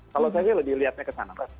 kalau saya sih lebih lihatnya kesana